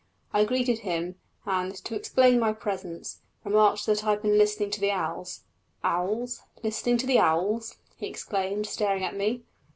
I greeted him, and, to explain my presence, remarked that I had been listening to the owls. "Owls! listening to the owls!" he exclaimed, staring at me.